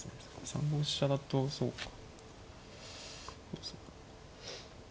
３五飛車だとそうか。